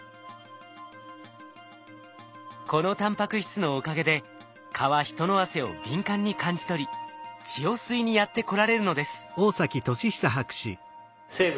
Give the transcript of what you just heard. このタンパク質のおかげで蚊は人の汗を敏感に感じ取り血を吸いにやって来られるのです。